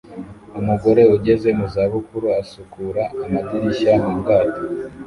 Umugore ugeze mu za bukuru asukura amadirishya mu bwato